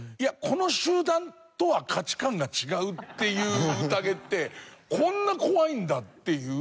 この集団とは価値観が違うっていう宴ってこんな怖いんだっていう。